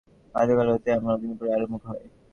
বাল্যকাল হইতেই আমার অগ্নিপরীক্ষার আরম্ভ হয়।